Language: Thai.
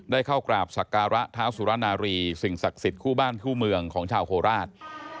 ได้เข้ากราบศักระเท้าสุรนารีสิ่งศักดิ์สิทธิ์คู่บ้านคู่เมืองของชาวโคราช